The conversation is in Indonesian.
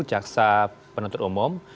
jaksa penuntut umum